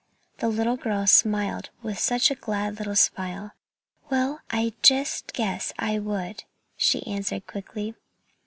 The little girl smiled such a glad little smile. "Well, I just guess I would!" she answered quickly.